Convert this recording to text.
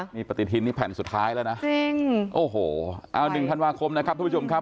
นี่ปฏิทินนี่แผ่นสุดท้ายแล้วนะจริงโอ้โหเอาหนึ่งธันวาคมนะครับทุกผู้ชมครับ